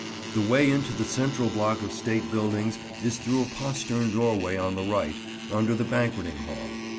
The way into the central block of State buildings is through a postern doorway on the right, under the Banqueting Hall.